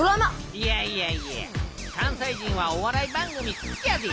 いやいやいや関西人はお笑い番組好っきやで。